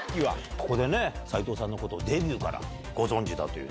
ここで斉藤さんのことをデビューからご存じだという。